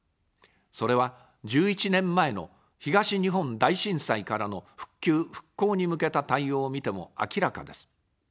それは、１１年前の東日本大震災からの復旧・復興に向けた対応を見ても明らかです。